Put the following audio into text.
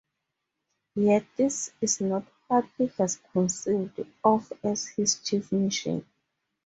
Yet this is not what he has conceived of as his chief mission.